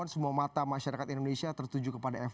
semua mata masyarakat indonesia tertuju kepada f satu